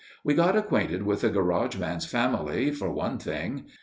We got acquainted with the garage man's family, for one thing.